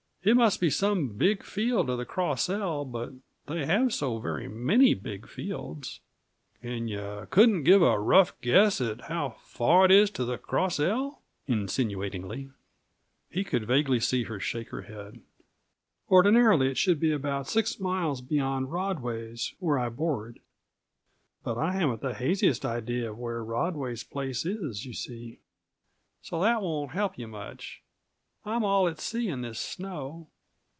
It must be some big field of the Cross L; but they have so very many big fields!" "And you couldn't give a rough guess at how far it is to the Cross L?" insinuatingly. He could vaguely see her shake of head. "Ordinarily it should be about six miles beyond Rodway's, where I board. But I haven't the haziest idea of where Rodway's place is, you see; so that won't help you much. I'm all at sea in this snow."